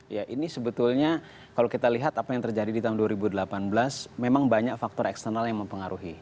ya ini sebetulnya kalau kita lihat apa yang terjadi di tahun dua ribu delapan belas memang banyak faktor eksternal yang mempengaruhi